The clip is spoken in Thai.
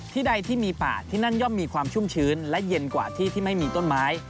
ใดที่มีป่าที่นั่นย่อมมีความชุ่มชื้นและเย็นกว่าที่ที่ไม่มีต้นไม้